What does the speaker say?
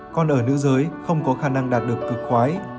còn ở nữ giới không có khả năng đạt được cực khoái